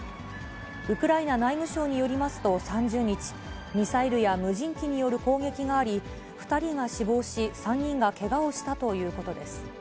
ウクライナ内務省によりますと、３０日、ミサイルや無人機による攻撃があり、２人が死亡し、３人がけがをしたということです。